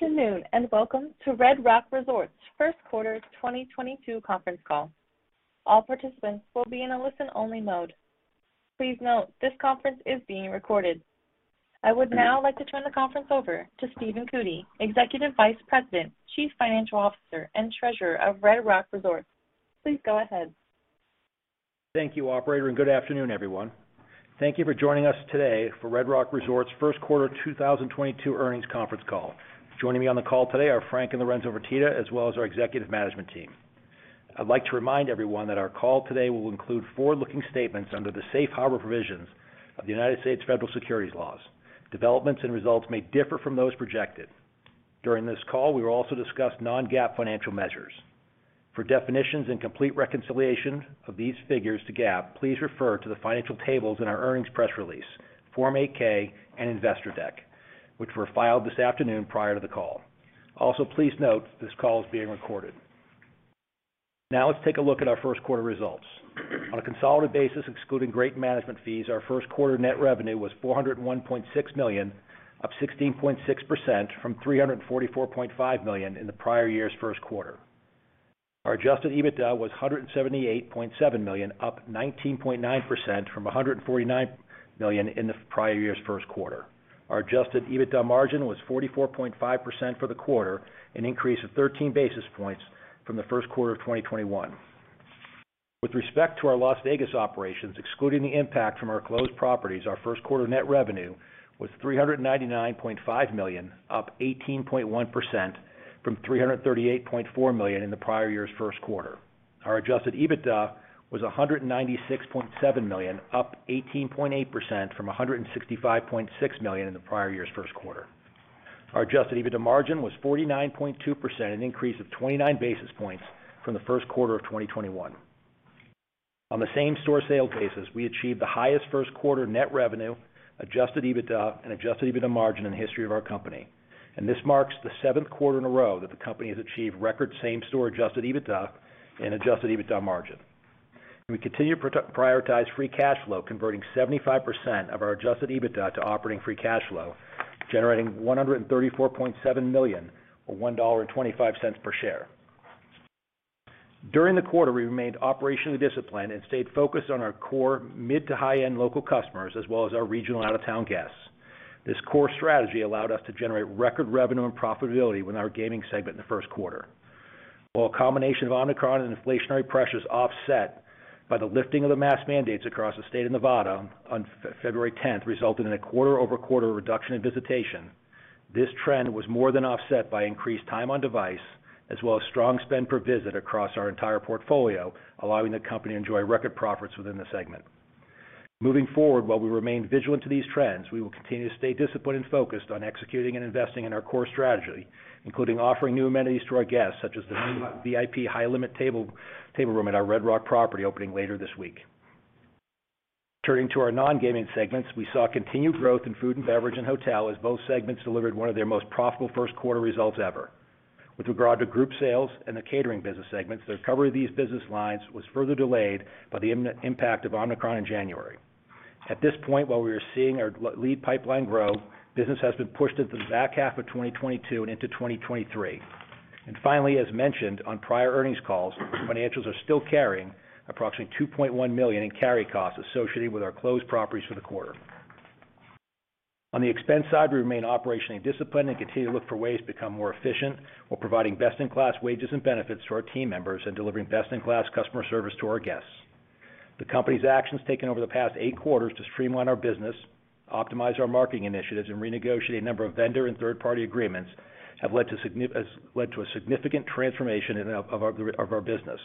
Good afternoon, and welcome to Red Rock Resorts Q1 2022 Conference Call. All participants will be in a listen-only mode. Please note this conference is being recorded. I would now like to turn the conference over to Stephen Cootey, Executive Vice President, Chief Financial Officer, and Treasurer of Red Rock Resorts. Please go ahead. Thank you, operator, and good afternoon, everyone. Thank you for joining us today for Red Rock Resorts Q1 2022 earnings Conference Call. Joining me on the call today are Frank Fertitta and Lorenzo Fertitta as well as our executive management team. I'd like to remind everyone that our call today will include forward-looking statements under the safe harbor provisions of the United States federal securities laws. Developments and results may differ from those projected. During this call, we will also discuss non-GAAP financial measures. For definitions and complete reconciliation of these figures to GAAP, please refer to the financial tables in our earnings press release, Form 8-K and investor deck, which were filed this afternoon prior to the call. Also, please note this call is being recorded. Now let's take a look at our Q1results. On a consolidated basis, excluding management fees, our Q1 net revenue was $401.6 million, up 16.6% from $344.5 million in the prior year's Q1. Our Adjusted EBITDA was $178.7 million, up 19.9% from $149 million in the prior year's Q1. Our Adjusted EBITDA margin was 44.5% for the quarter, an increase of 13 basis points from Q1 of 2021. With respect to our Las Vegas operations, excluding the impact from our closed properties, our Q1 net revenue was $399.5 million, up 18.1% from $338.4 million in the prior year's Q1. Our adjusted EBITDA was $196.7 million, up 18.8% from $165.6 million in the prior year's Q1. Our adjusted EBITDA margin was 49.2%, an increase of 29 basis points from Q1 of 2021. On the same-store sales basis, we achieved the highest Q1 net revenue, adjusted EBITDA, and adjusted EBITDA margin in the history of our company. This marks the seventh quarter in a row that the company has achieved record same-store adjusted EBITDA and adjusted EBITDA margin. We continue to prioritize free cash flow, converting 75% of our adjusted EBITDA to operating free cash flow, generating $134.7 million or $1.25 per share. During the quarter, we remained operationally disciplined and stayed focused on our core mid to high-end local customers as well as our regional out-of-town guests. This core strategy allowed us to generate record revenue and profitability within our gaming segment in Q1. While a combination of Omicron and inflationary pressures offset by the lifting of the mask mandates across the state of Nevada on February tenth resulted in a quarter-over-quarter reduction in visitation, this trend was more than offset by increased time on device as well as strong spend per visit across our entire portfolio, allowing the company to enjoy record profits within the segment. Moving forward, while we remain vigilant to these trends, we will continue to stay disciplined and focused on executing and investing in our core strategy, including offering new amenities to our guests, such as the new VIP high-limit table room at our Red Rock property opening later this week. Turning to our non-gaming segments, we saw continued growth in food and beverage and hotel as both segments delivered one of their most profitable Q1 results ever. With regard to group sales and the catering business segments, the recovery of these business lines was further delayed by the impact of Omicron in January. At this point, while we are seeing our lead pipeline grow, business has been pushed into the back half of 2022 and into 2023. Finally, as mentioned on prior earnings calls, financials are still carrying approximately $2.1 million in carry costs associated with our closed properties for the quarter. On the expense side, we remain operationally disciplined and continue to look for ways to become more efficient while providing best-in-class wages and benefits to our team members and delivering best-in-class customer service to our guests. The company's actions taken over the past eight quarters to streamline our business, optimize our marketing initiatives, and renegotiate a number of vendor and third-party agreements has led to a significant transformation of our business,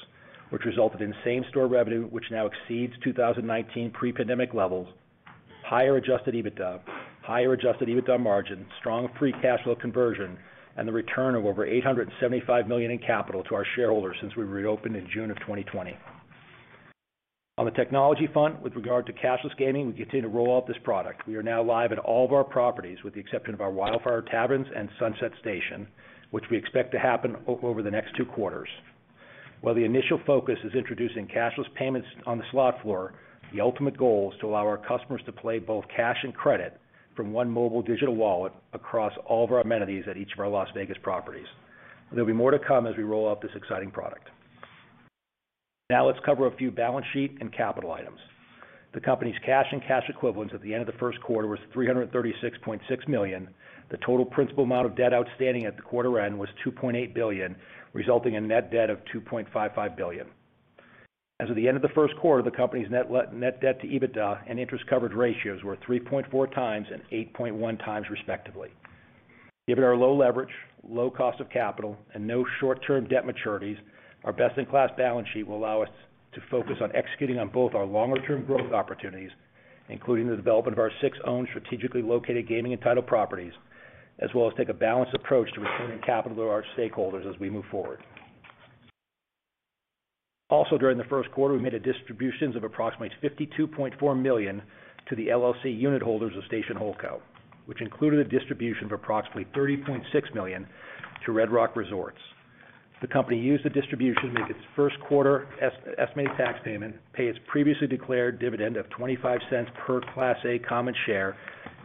which resulted in same-store revenue, which now exceeds 2019 pre-pandemic levels, higher adjusted EBITDA, higher adjusted EBITDA margin, strong free cash flow conversion, and the return of over $875 million in capital to our shareholders since we reopened in June 2020. On the technology front, with regard to cashless gaming, we continue to roll out this product. We are now live at all of our properties with the exception of our Wildfire Taverns and Sunset Station, which we expect to happen over the next two quarters. While the initial focus is introducing cashless payments on the slot floor, the ultimate goal is to allow our customers to play both cash and credit from one mobile digital wallet across all of our amenities at each of our Las Vegas properties. There'll be more to come as we roll out this exciting product. Now let's cover a few balance sheet and capital items. The company's cash and cash equivalents at the end of Q1 was $336.6 million. The total principal amount of debt outstanding at the quarter end was $2.8 billion, resulting in net debt of $2.55 billion. As of the end of Q1, the company's net debt to EBITDA and interest coverage ratios were 3.4 times and 8.1 times respectively. Given our low-leverage, low-cost of capital, and no short-term debt maturities, our best-in-class balance sheet will allow us to focus on executing on both our longer-term growth opportunities, including the development of our six owned strategically located gaming and hospitality properties, as well as take a balanced approach to returning capital to our stakeholders as we move forward. During Q1, we made a distribution of approximately $52.4 million to the LLC unit holders of Station Holdco LLC, which included a distribution of approximately $30.6 million to Red Rock Resorts. The company used the distribution to make its Q1 estimated tax payment, pay its previously declared dividend of $0.25 per Class A common share,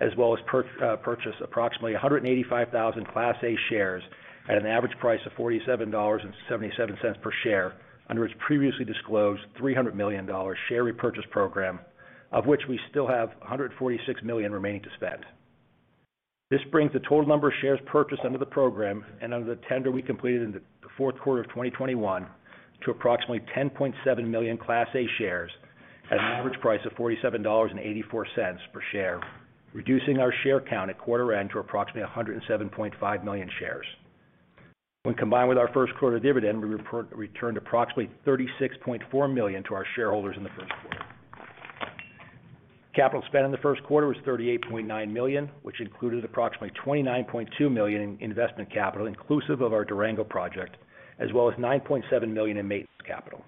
as well as purchase approximately 185,000 Class A shares at an average price of $47.77 per share under its previously disclosed $300 million share repurchase program, of which we still have $146 million remaining to spend. This brings the total number of shares purchased under the program and under the tender we completed in Q4of 2021 to approximately 10.7 million Class A shares at an average price of $47.84 per share, reducing our share count at quarter end to approximately 107.5 million shares. When combined with our Q1 dividend, we returned approximately $36.4 million to our shareholders in Q1. Capital spend in Q1 was $38.9 million, which included approximately $29.2 million in investment capital inclusive of our Durango Project, as well as $9.7 million in maintenance capital.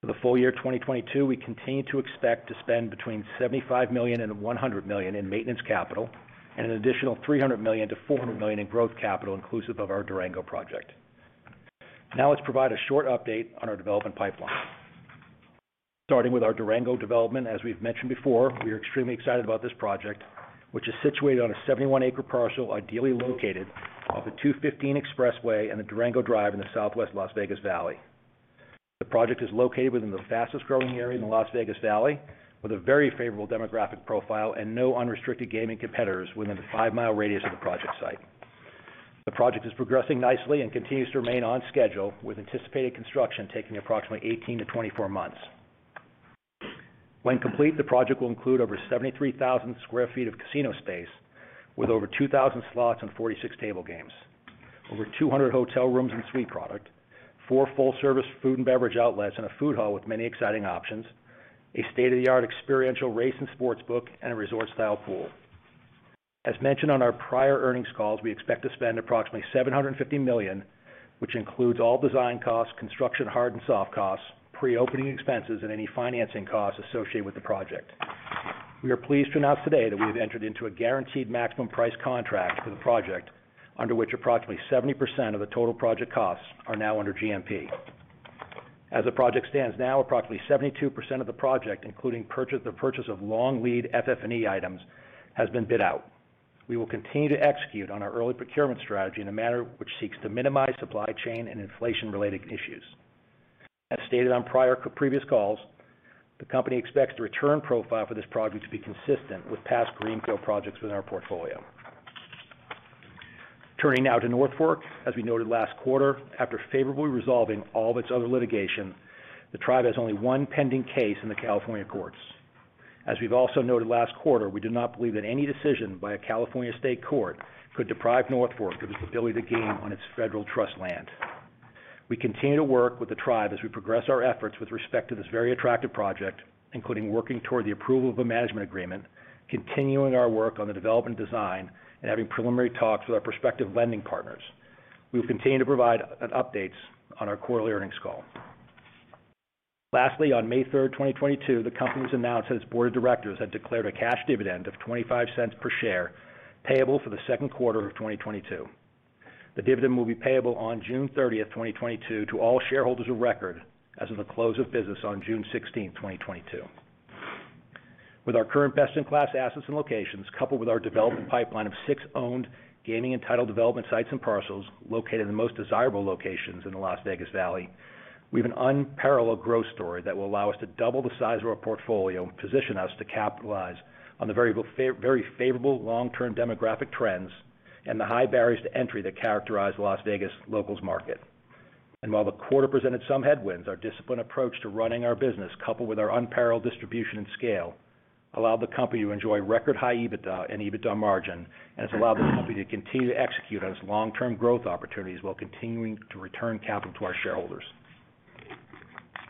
For the full-year of 2022, we continue to expect to spend between $75 million and $100 million in maintenance capital and an additional $300 million-$400 million in growth capital inclusive of our Durango project. Now let's provide a short update on our development pipeline. Starting with our Durango development, as we've mentioned before, we are extremely excited about this project, which is situated on a 71-acre parcel, ideally located off the I-215 expressway and the Durango Drive in the southwest Las Vegas Valley. The project is located within the fastest-growing area in the Las Vegas Valley, with a very favorable demographic profile and no unrestricted gaming competitors within a 5-mile radius of the project site. The project is progressing nicely and continues to remain on schedule, with anticipated construction taking approximately 18-24 months. When complete, the project will include over 73,000 sq ft of casino space with over 2,000 slots and 46 table games. Over 200 hotel rooms and suite product, 4 full-service food and beverage outlets and a food hall with many exciting options, a state-of-the-art experiential race and sportsbook and a resort-style pool. As mentioned on our prior earnings calls, we expect to spend approximately $750 million, which includes all design costs, construction hard and soft costs, pre-opening expenses and any financing costs associated with the project. We are pleased to announce today that we have entered into a guaranteed maximum price contract for the project, under which approximately 70% of the total project costs are now under GMP. As the project stands now, approximately 72% of the project, including the purchase of long lead FF&E items, has been bid out. We will continue to execute on our early procurement strategy in a manner which seeks to minimize supply chain and inflation-related issues. As stated on prior previous calls, the company expects the return profile for this project to be consistent with past greenfield projects within our portfolio. Turning now to North Fork. As we noted last quarter, after favorably resolving all of its other litigation, the tribe has only one pending case in the California courts. As we've also noted last quarter, we do not believe that any decision by a California state court could deprive North Fork of its ability to game on its federal trust land. We continue to work with the tribe as we progress our efforts with respect to this very attractive project, including working toward the approval of a management agreement, continuing our work on the development design, and having preliminary talks with our prospective lending partners. We will continue to provide updates on our quarterly Earnings call. Lastly, on May 3rd, 2022, the company announced that its board of directors had declared a cash dividend of $0.25 per share payable for Q2 of 2022. The dividend will be payable on June 30th, 2022 to all shareholders of record as of the close of business on June 16th, 2022. With our current best-in-class assets and locations, coupled with our development pipeline of six owned gaming and tribal development sites and parcels located in the most desirable locations in the Las Vegas Valley, we have an unparalleled growth story that will allow us to double the size of our portfolio and position us to capitalize on the very favorable long-term demographic trends and the high barriers to entry that characterize the Las Vegas locals market. While the quarter presented some headwinds, our disciplined approach to running our business, coupled with our unparalleled distribution and scale, allowed the company to enjoy record high EBITDA and EBITDA margin and has allowed the company to continue to execute on its long-term growth opportunities while continuing to return capital to our shareholders.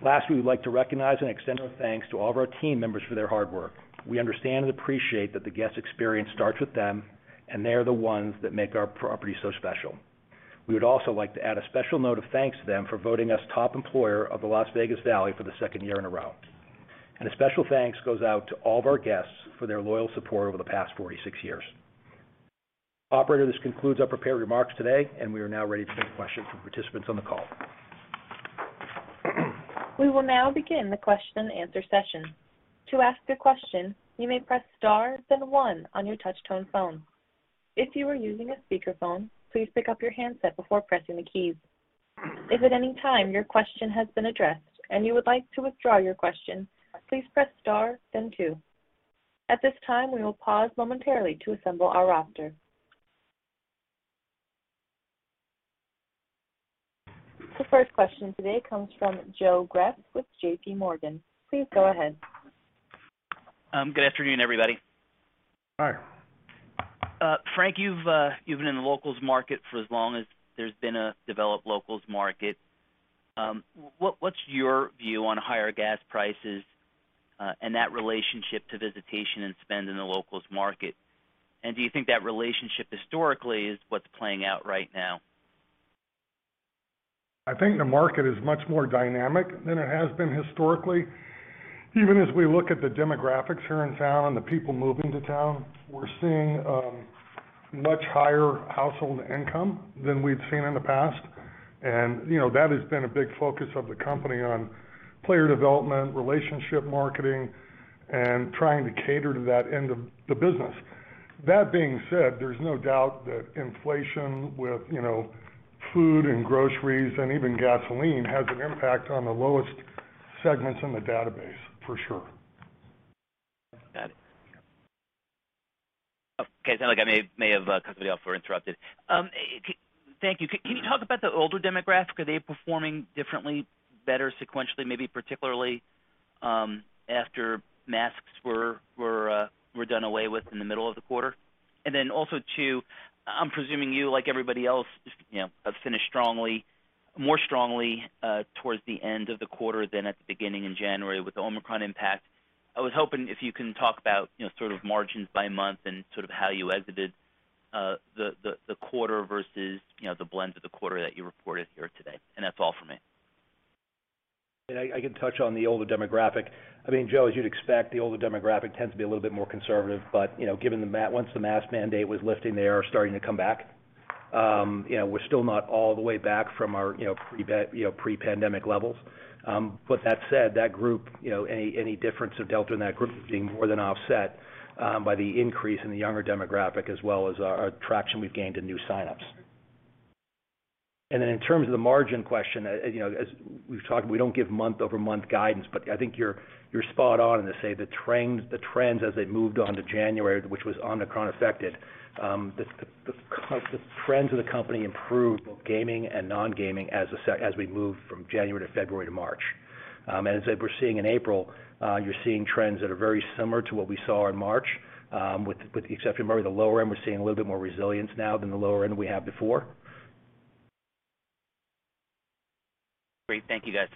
Last, we would like to recognize and extend our thanks to all of our team members for their hard work. We understand and appreciate that the guest experience starts with them, and they are the ones that make our property so special. We would also like to add a special note of thanks to them for voting us top employer of the Las Vegas Valley for the second year in a row. A special thanks goes out to all of our guests for their loyal support over the past 46-years. Operator, this concludes our prepared remarks today, and we are now ready to take questions from participants on the call. We will now begin the question and answer session. To ask a question, you may press star then one on your touch tone phone. If you are using a speakerphone, please pick up your handset before pressing the keys. If at any time your question has been addressed and you would like to withdraw your question, please press star then two. At this time, we will pause momentarily to assemble our roster. The first question today comes from Joseph Greff with JPMorgan. Please go ahead. Hi. Frank, you've been in the locals market for as long as there's been a developed locals market. What's your view on higher gas prices and that relationship to visitation and spend in the locals market? Do you think that relationship historically is what's playing out right now? I think the market is much more dynamic than it has been historically. Even as we look at the demographics here in town and the people moving to town, we're seeing much higher household income than we've seen in the past. You know, that has been a big focus of the company on player development, relationship marketing, and trying to cater to that end of the business. That being said, there's no doubt that inflation with, you know, food and groceries and even gasoline has an impact on the lowest segments in the database, for sure. Got it. Okay, it sounds like I may have cut off before I interrupted. Thank you. Can you talk about the older demographic? Are they performing differently, better sequentially, maybe particularly, after masks were done away with in the middle of the quarter? Then also too, I'm presuming you, like everybody else, you know, have finished strongly, more strongly, towards the end of the quarter than at the beginning in January with the Omicron impact. I was hoping if you can talk about, you know, sort of margins by month and sort of how you exited, the quarter versus, you know, the blends of the quarter that you reported here today. That's all for me. I can touch on the older demographic. I mean, Joe, as you'd expect, the older demographic tends to be a little bit more conservative, but you know, once the mask mandate was lifting, they are starting to come back. You know, we're still not all the way back from our you know, pre-pandemic levels. That said, that group you know, any difference of delta in that group being more than offset by the increase in the younger demographic, as well as our traction we've gained in new sign-ups. In terms of the margin question, you know, as we've talked, we don't give month-over-month guidance, but I think you're spot on, and to say the trends as they moved on to January, which was Omicron affected, the trends of the company improved both gaming and non-gaming as we moved from January to February to March. As we're seeing in April, you're seeing trends that are very similar to what we saw in March, with the exception, remember, the lower end, we're seeing a little bit more resilience now than the lower end we had before. Great. Thank you, guys.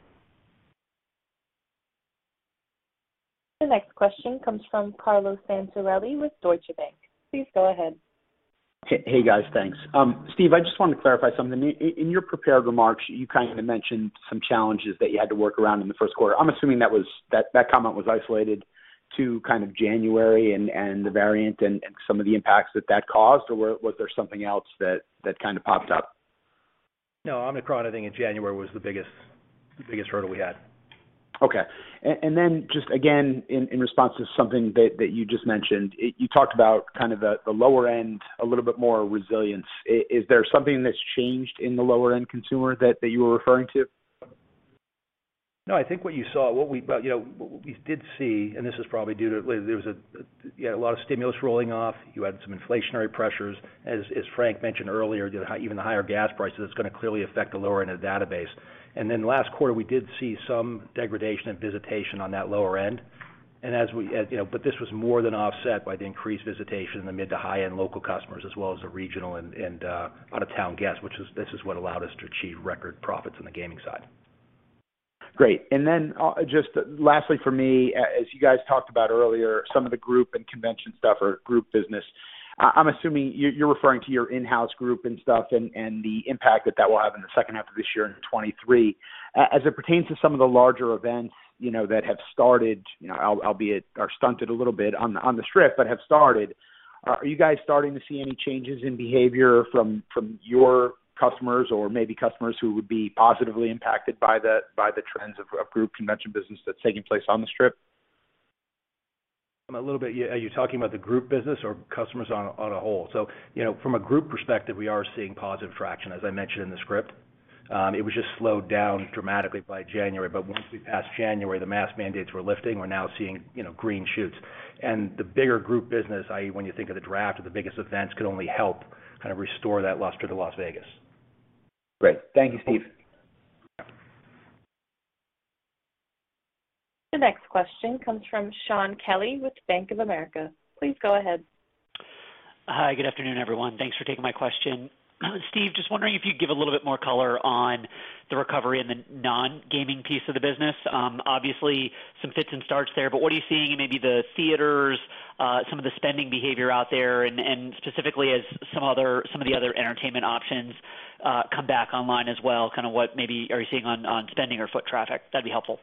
The next question comes from Carlo Santarelli with Deutsche Bank. Please go ahead. Hey, guys. Thanks. Steve, I just wanted to clarify something. In your prepared remarks, you kind of mentioned some challenges that you had to work around in Q1. I'm assuming that comment was isolated to kind of January and the variant and some of the impacts that caused, or was there something else that kind of popped up? No, Omicron, I think in January was the biggest hurdle we had. Okay. Just again, in response to something that you just mentioned, you talked about kind of the lower end, a little bit more resilience. Is there something that's changed in the lower end consumer that you were referring to? No, I think what you saw, but you know, we did see, and this is probably due to there was, you know, a lot of stimulus rolling off. You had some inflationary pressures. As Frank mentioned earlier, even the higher gas prices, it's going to clearly affect the lower end of the database. Last quarter, we did see some degradation in visitation on that lower end. This was more than offset by the increased visitation in the mid to high-end local customers, as well as the regional and out-of-town guests, which is what allowed us to achieve record profits on the gaming side. Great. Then, just lastly for me, as you guys talked about earlier, some of the group and convention stuff or group business, I'm assuming you're referring to your in-house group and stuff and the impact that will have in the second half of this year into 2023. As it pertains to some of the larger events, you know, that have started, you know, albeit are stunted a little bit on the Strip, but have started, are you guys starting to see any changes in behavior from your customers or maybe customers who would be positively impacted by the trends of group convention business that's taking place on the Strip? A little bit. Are you talking about the group business or customers on a whole? You know, from a group perspective, we are seeing positive traction, as I mentioned in the script. It was just slowed down dramatically by January. Once we passed January, the mask mandates were lifting. We're now seeing, you know, green shoots. The bigger group business, i.e., when you think of the draw of the biggest events, could only help kind of restore that luster to Las Vegas. Great. Thank you, Steve. Yeah. The next question comes from Shaun Kelley with Bank of America. Please go ahead. Hi. Good afternoon, everyone. Thanks for taking my question. Steve, just wondering if you'd give a little bit more color on the recovery in the non-gaming piece of the business. Obviously, some fits and starts there, but what are you seeing in maybe the theaters, some of the spending behavior out there, and specifically as some of the other entertainment options come back online as well, kind of what maybe are you seeing on spending or foot traffic? That'd be helpful.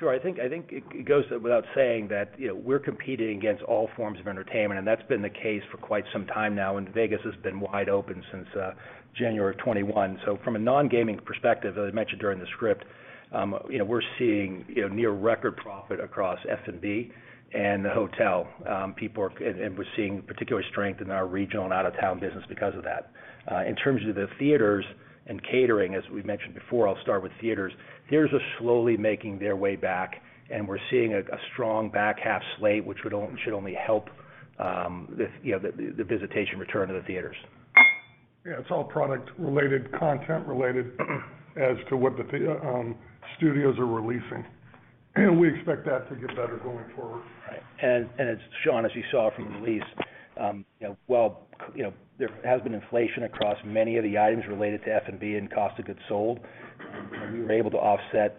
Sure. I think it goes without saying that, you know, we're competing against all forms of entertainment, and that's been the case for quite some time now. Vegas has been wide open since January 2021. From a non-gaming perspective, as I mentioned during the script, you know, we're seeing, you know, near record profit across F&B and the hotel. We're seeing particular strength in our regional and out-of-town business because of that. In terms of the theaters and catering, as we mentioned before, I'll start with theaters. Theaters are slowly making their way back, and we're seeing a strong back half slate, which should only help, you know, the visitation return to the theaters. Yeah, it's all product-related, content-related as to what studios are releasing. We expect that to get better going forward. Right. As Shaun, as you saw from the release, you know, while you know, there has been inflation across many of the items- related to F&B and cost of goods sold, we were able to offset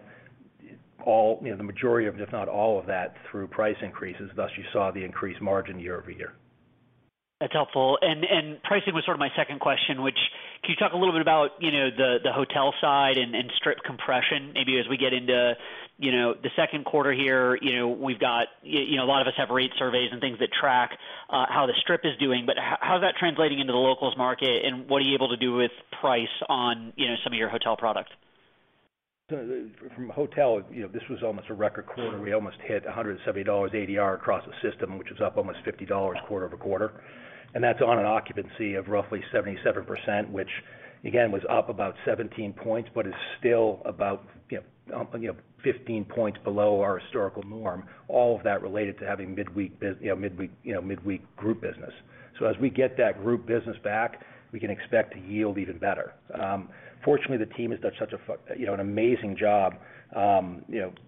all, you know, the majority of, if not all of that, through price increases, thus you saw the increased margin year-over-year. That's helpful. Pricing was sort of my second question, which can you talk a little bit about, you know, the hotel side and strip compression maybe as we get into, you know, Q2 here, you know, we've got you know, a lot of us have rate surveys and things that track how the strip is doing, but how is that translating into the locals market and what are you able to do with price on, you know, some of your hotel products? From hotel, you know, this was almost a record quarter. We almost hit $170 ADR across the system, which is up almost $50 quarter-over-quarter. That's on an occupancy of roughly 77%, which again, was up about 17 points, but is still about, you know, 15 points below our historical norm, all of that related to having midweek group business. As we get that group business back, we can expect to yield even better. Fortunately, the team has done such an amazing job.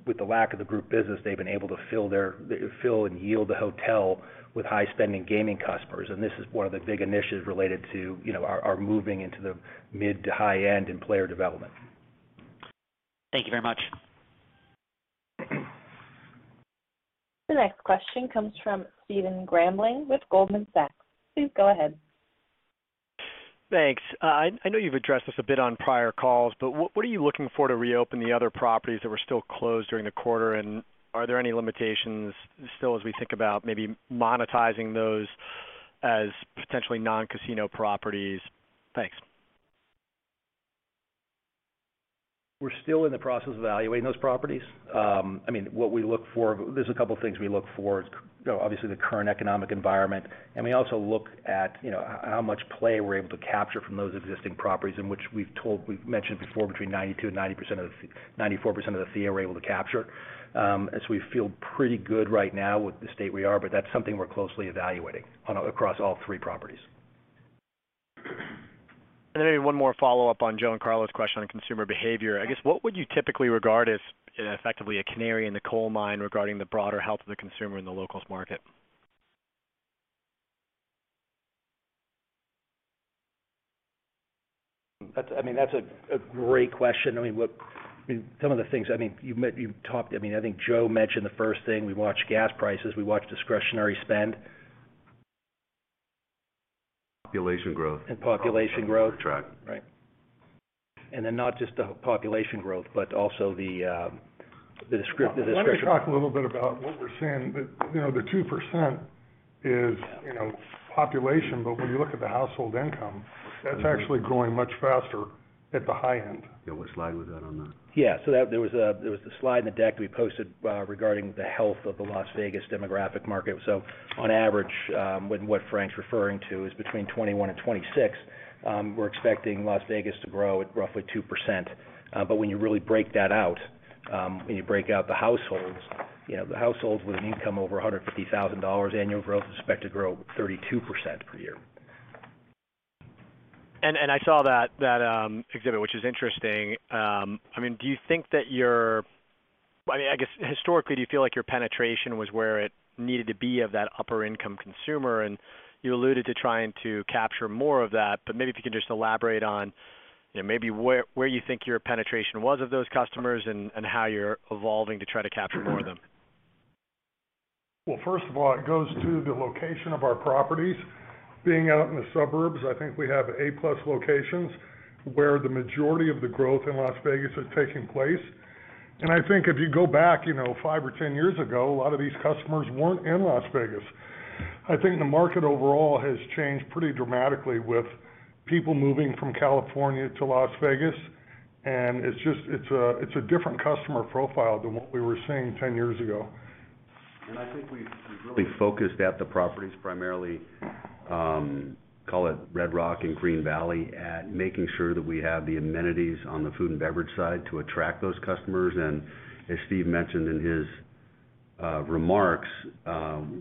With the lack of the group business, they've been able to fill and yield the hotel with high-spending gaming customers. This is one of the big initiatives-related to, you know, our moving into the mid to high-end in player development. Thank you very much. The next question comes from Stephen Grambling with Goldman Sachs. Please go ahead. Thanks. I know you've addressed this a bit on prior calls, but what are you looking for to reopen the other properties that were still closed during the quarter, and are there any limitations still as we think about maybe monetizing those as potentially non-casino properties? Thanks. We're still in the process of evaluating those properties. I mean, what we look for, there's a couple things we look for. You know, obviously, the current economic environment, and we also look at, you know, how much play we're able to capture from those existing properties, in which we've mentioned before between 92% and 94% of the fee we're able to capture. As we feel pretty good right now with the state we are, but that's something we're closely evaluating across all three properties. Maybe one more follow-up on Joe and Carlo's question on consumer behavior. I guess, what would you typically regard as, effectively, a canary in the coal mine regarding the broader health of the consumer in the locals market? That's, I mean, that's a great question. I mean, look, I mean, some of the things, I mean, you talked, I mean, I think Joe mentioned the first thing. We watch gas prices, we watch discretionary spend. Population growth. Population growth. Probably something we can track. Right. Not just the population growth, but also the descriptive. Let me talk a little bit about what we're seeing. The, you know, the 2% is, you know, population, but when you look at the household income, that's actually growing much faster at the high-end. Yeah, what slide was that on that? Yeah. There was a slide in the deck we posted regarding the health of the Las Vegas demographic market. On average, when what Frank's referring to is between 21 and 26, we're expecting Las Vegas to grow at roughly 2%. When you really break that out, when you break out the households, you know, the households with an income over $150,000 annual growth is expected to grow 32% per year. I saw that exhibit, which is interesting. I mean, do you think that your... I mean, I guess historically, do you feel like your penetration was where it needed to be of that upper income consumer? You alluded to trying to capture more of that, but maybe if you could just elaborate on, you know, maybe where you think your penetration was of those customers and how you're evolving to try to capture more of them. Well, first of all, it goes to the location of our properties. Being out in the suburbs, I think we have A-plus locations where the majority of the growth in Las Vegas is taking place. I think if you go back, you know, 5 or 10-years ago, a lot of these customers weren't in Las Vegas. I think the market overall has changed pretty dramatically with people moving from California to Las Vegas, and it's just, it's a different customer profile than what we were seeing 10-years ago. I think we've really focused at the properties primarily, call it Red Rock and Green Valley, at making sure that we have the amenities on the food and beverage side to attract those customers. As Steve mentioned in his remarks,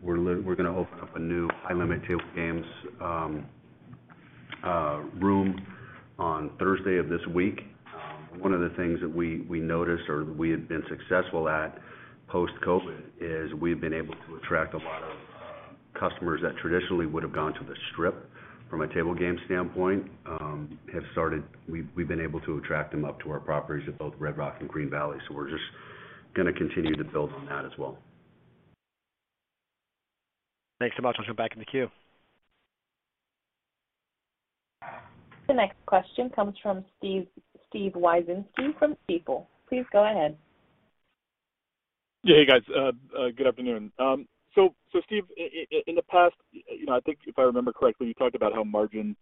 we're gonna open up a new high-limit table games room on Thursday of this week. One of the things that we noticed or we had been successful at post-COVID is we've been able to attract a lot of customers that traditionally would have gone to the Strip from a table game standpoint. We've been able to attract them up to our properties at both Red Rock and Green Valley. We're just gonna continue to build on that as well. Thanks so much. I'll hand back in the queue. The next question comes from Steve, Steven Wieczynski from Stifel. Please go ahead. Yeah. Hey, guys. Good afternoon. Steve, in the past, you know, I think if I remember correctly, you talked about how margin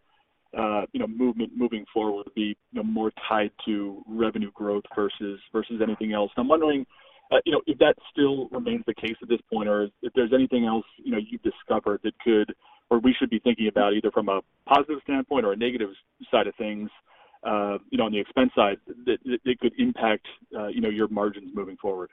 movement moving forward would be, you know, more tied to revenue growth versus anything else. I'm wondering, you know, if that still remains the case at this point or if there's anything else, you know, you've discovered that could or we should be thinking about either from a positive standpoint or a negative side of things, you know, on the expense side that could impact, you know, your margins moving forward.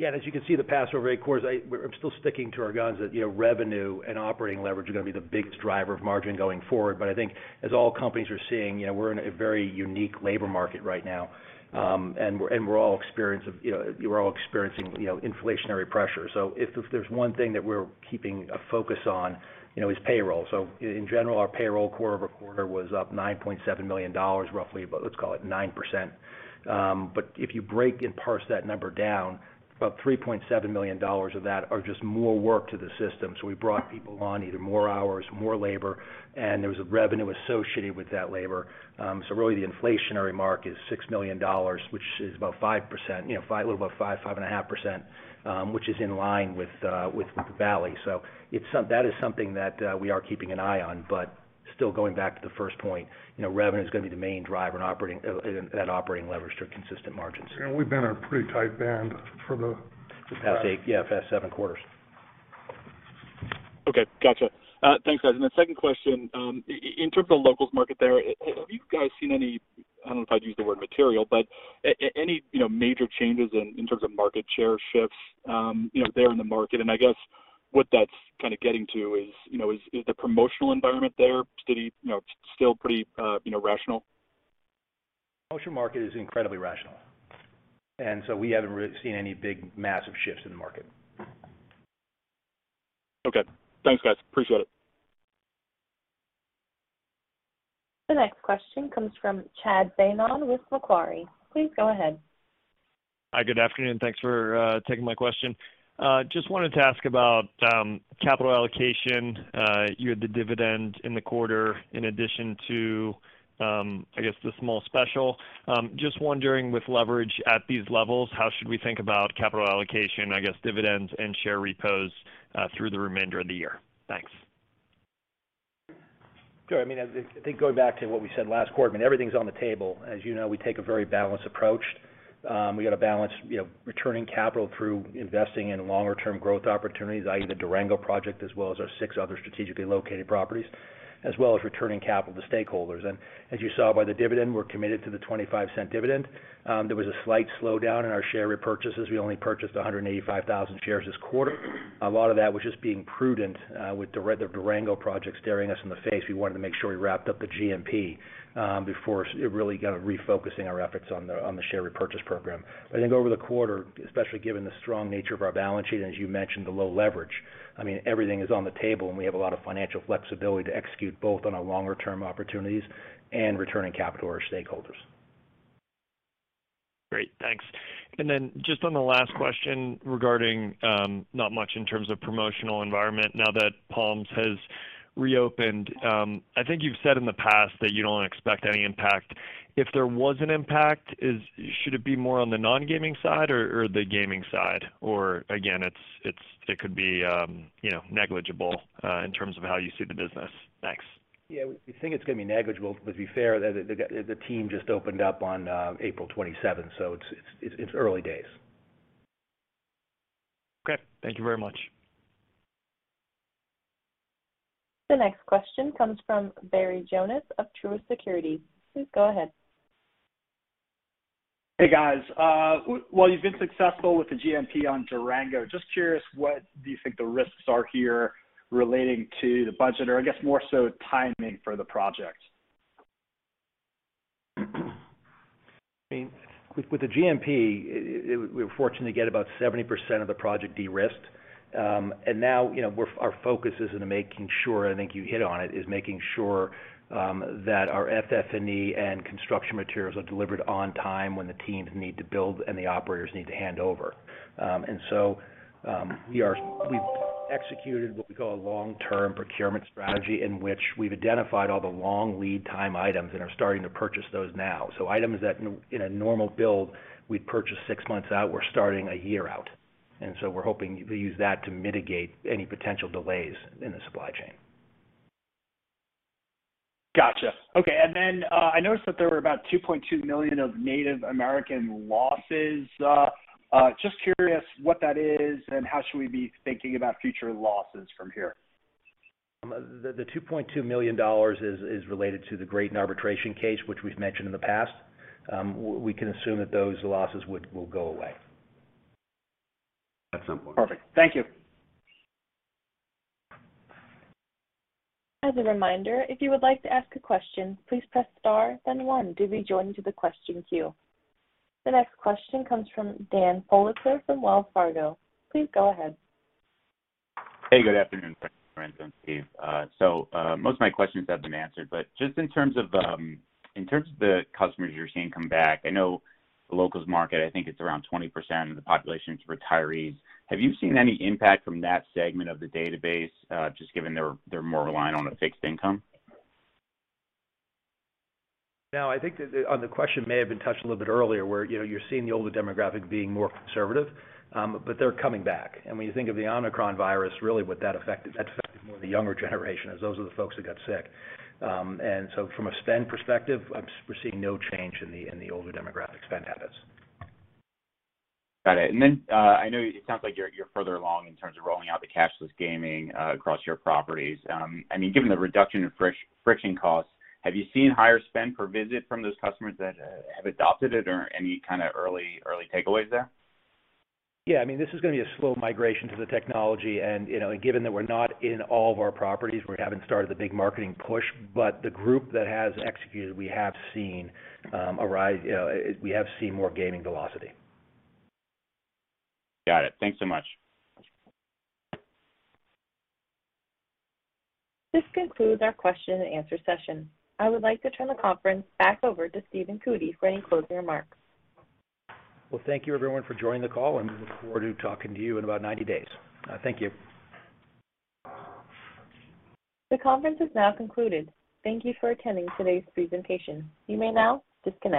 Yeah, as you can see the pass-through rate, of course, I'm still sticking to our guns that, you know, revenue and operating leverage are gonna be the biggest driver of margin going forward. I think as all companies are seeing, you know, we're in a very unique labor market right now. We're all experiencing, you know, inflationary pressure. If there's one thing that we're keeping a focus on, you know, is payroll. In general, our payroll quarter-over-quarter was up $9.7 million roughly, but let's call it 9%. If you break and parse that number down, about $3.7 million of that are just more workers to the system. We brought people on either more hours, more labor, and there was a revenue associated with that labor. Really the inflationary mark is $6 million, which is about 5%, you know, a little above five, 5.5%, which is in line with the valley. It is something that we are keeping an eye on. Still going back to the first point, you know, revenue is gonna be the main driver in that operating leverage to consistent margins. We've been in a pretty tight band. The past 7 quarters. Okay. Gotcha. Thanks, guys. The second question, in terms of locals market there, have you guys seen any, I don't know if I'd use the word material, but any, you know, major changes in terms of market share shifts, you know, there in the market? I guess what that's kinda getting to is, you know, is the promotional environment there steady, you know, still pretty, you know, rational? Promotion market is incredibly rational. We haven't really seen any big, massive shifts in the market. Okay. Thanks, guys. Appreciate it. The next question comes from Chad Beynon with Macquarie. Please go ahead. Hi, good afternoon. Thanks for taking my question. Just wanted to ask about capital allocation, you had the dividend in the quarter in addition to, I guess, the small special. Just wondering with leverage at these levels, how should we think about capital allocation, I guess, dividends and share repos, through the remainder of the year? Thanks. Sure. I mean, I think going back to what we said last quarter, I mean, everything's on the table. As you know, we take a very balanced approach. We gotta balance, you know, returning capital through investing in longer term growth opportunities, i.e., the Durango project, as well as our six other strategically located properties, as well as returning capital to stakeholders. As you saw by the dividend, we're committed to the $0.25 dividend. There was a slight slowdown in our share repurchases. We only purchased 185,000 shares this quarter. A lot of that was just being prudent with the Durango project staring us in the face. We wanted to make sure we wrapped up the GMP before it really kinda refocusing our efforts on the share repurchase program. I think over the quarter, especially given the strong nature of our balance sheet, and as you mentioned, the low-leverage, I mean, everything is on the table, and we have a lot of financial flexibility to execute both on our longer term opportunities and returning capital to our stakeholders. Great. Thanks. Just on the last question regarding not much in terms of promotional environment now that Palms has reopened, I think you've said in the past that you don't expect any impact. If there was an impact, should it be more on the non-gaming side or the gaming side? Or again, it could be, you know, negligible in terms of how you see the business. Thanks. Yeah. We think it's gonna be negligible, but to be fair, the team just opened up on April 27th, so it's early days. Okay. Thank you very much. The next question comes from Barry Jonas of Truist Securities. Please go ahead. Hey, guys. You've been successful with the GMP on Durango. Just curious, what do you think the risks are here relating to the budget or I guess more so timing for the project? I mean, with the GMP, we were fortunate to get about 70% of the project de-risked. Now, you know, our focus is in making sure, I think you hit on it, that our FF&E and construction materials are delivered on time when the teams need to build and the operators need to hand over. So, we've executed what we call a long-term procurement strategy, in which we've identified all the long lead time items and are starting to purchase those now. So items that in a normal build, we'd purchase six months out, we're starting a year out. We're hoping we use that to mitigate any potential delays in the supply chain. Gotcha. Okay. I noticed that there were about $2.2 million of Native American losses. Just curious what that is and how should we be thinking about future losses from here. The $2.2 million is related to the Graton arbitration case, which we've mentioned in the past. We can assume that those losses will go away. At some point. Perfect. Thank you. As a reminder, if you would like to ask a question, please press star then one to be joined to the question queue. The next question comes from Daniel Politzer from Wells Fargo. Please go ahead. Hey, good afternoon, Frank, Lorenzo, and Steve. Most of my questions have been answered, but just in terms of the customers you're seeing come back, I know the locals market, I think it's around 20% of the population is retirees. Have you seen any impact from that segment of the database, just given they're more reliant on a fixed income? No, I think the question may have been touched a little bit earlier where, you know, you're seeing the older demographic being more conservative, but they're coming back. When you think of the Omicron virus, really what that affected more the younger generation, as those are the folks that got sick. From a spend perspective, we're seeing no change in the older demographic spend habits. Got it. I know it sounds like you're further along in terms of rolling out the cashless gaming across your properties. I mean, given the reduction in friction costs, have you seen higher spend per visit from those customers that have adopted it or any kinda early takeaways there? Yeah. I mean, this is gonna be a slow migration to the technology and, you know, and given that we're not in all of our properties, we haven't started the big marketing push, but the group that has executed, we have seen a rise, you know, we have seen more gaming velocity. Got it. Thanks so much. This concludes our question and answer session. I would like to turn the conference back over to Stephen Cootey for any closing remarks. Well, thank you everyone for joining the call, and we look forward to talking to you in about 90 days. Thank you. The conference is now concluded. Thank you for attending today's presentation. You may now disconnect.